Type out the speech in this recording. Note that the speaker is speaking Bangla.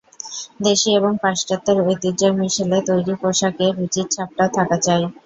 দেশি এবং পাশ্চাত্যের ঐতিহ্যের মিশেলে তৈরি পোশাকে রুচির ছাপটাও থাকা চাই।